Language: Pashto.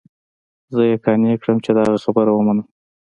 زه يې قانع کړم چې د هغه خبره ومنم.